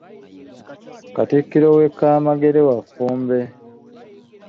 Katikkiro we Kamegere wa Ffumbe.